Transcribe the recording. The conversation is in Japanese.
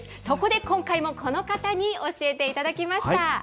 そこで今回もこの方に教えていただきました。